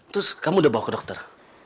terus kamu udah bawa ke dokter